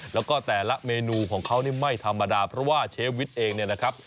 แล้วก็แต่ละเมนูของเขานี่ไม่ธรรมดาเพราะว่าเชฟวิทย์เองเนี่ยนะครับ